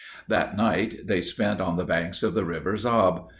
'" That night they spent on the banks of the river Zab.